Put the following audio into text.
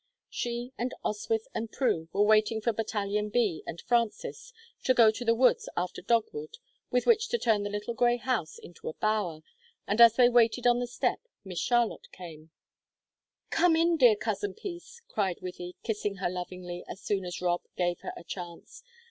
She and Oswyth and Prue were waiting for Battalion B and Frances to go to the woods after dogwood with which to turn the little grey house into a bower, and as they waited on the step Miss Charlotte came. "Come in, dear Cousin Peace," cried Wythie, kissing her lovingly as soon as Rob gave her a chance.